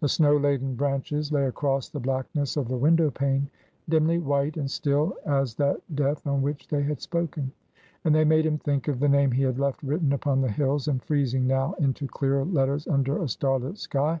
The snow laden branches lay across the blackness of the window pane, dimly white and still as that death of which they had spoken. And they made him think of the name he had left written upon the hills and freezing now into clearer letters under a starlit sky.